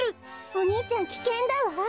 お兄ちゃんきけんだわ！